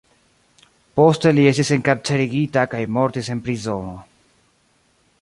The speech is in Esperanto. Poste li estis enkarcerigita kaj mortis en prizono.